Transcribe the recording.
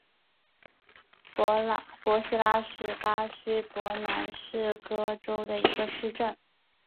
帕西拉是巴西伯南布哥州的一个市镇。